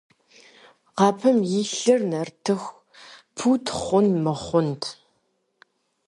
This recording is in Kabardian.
Къэпым илъыр нартыху пут хъун-мыхъунт.